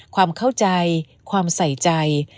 ความเข้าใจความใส่ใจ